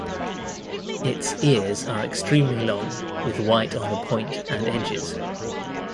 Its ears are extremely long with white on the point and edges.